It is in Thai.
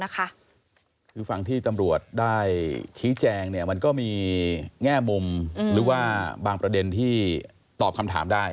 คือฝั่งที่ตำรวจได้ชี้แจงมันก็มีแง่มุมหรือว่าบางประเด็นที่ตอบคำถามได้